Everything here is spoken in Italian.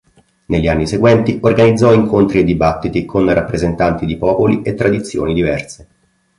Negli anni seguenti organizzò incontri e dibattiti con rappresentanti di popoli e tradizioni diverse.